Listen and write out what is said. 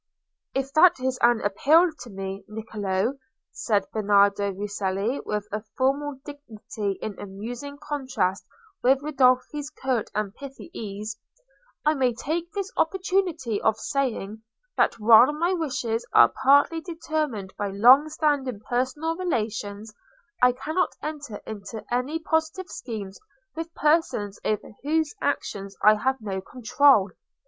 "If that is an appeal to me, Niccolò," said Bernardo Rucellai, with a formal dignity, in amusing contrast with Ridolfi's curt and pithy ease, "I may take this opportunity of saying, that while my wishes are partly determined by long standing personal relations, I cannot enter into any positive schemes with persons over whose actions I have no control.